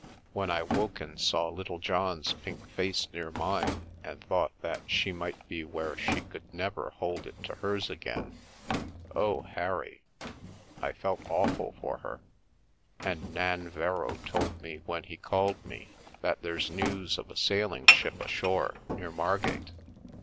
When I woke and saw Littlejohn's pink face near mine, and thought that she might be where she could never hold it to hers again — Oh, Harry ! I felt awful for her. And Nanverrow told me when he called me that there's news of a sailing ship ashore near Margate.